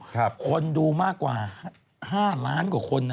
คนดูมากกว่า๕ล้านกว่าคนนะ